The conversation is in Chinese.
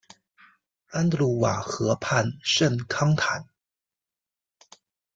安德鲁瓦河畔圣康坦。